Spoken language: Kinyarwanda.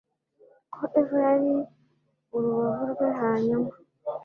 Ko Eva yari urubavu rwe hanyuma